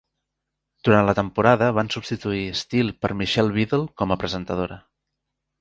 Durant la temporada van substituir Steele per Michelle Beadle com a presentadora.